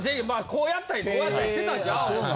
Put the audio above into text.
こうやったりこうやったりしてたんちゃう。